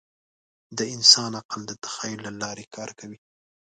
د انسان عقل د تخیل له لارې کار کوي.